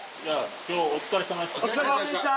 今日お疲れさまでした。